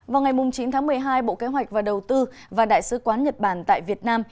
vào ngày chín tháng một mươi hai bộ kế hoạch và đầu tư và đại sứ quán nhật bản tại việt nam